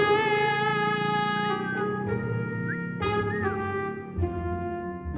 gak ada yang ngerti